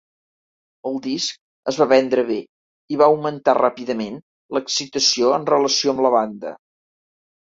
El disc es va vendre bé, i va augmentar ràpidament l'excitació en relació amb la banda.